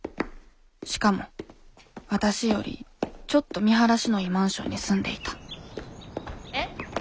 しかもわたしよりちょっと見晴らしのいいマンションに住んでいたえ？